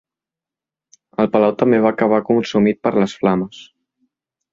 El palau també va acabar consumit per les flames.